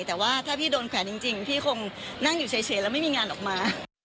แต่ว่าถ้าพี่โดนแขวนจริงพี่คงนั่งอยู่เฉยแล้วไม่มีงานออกมา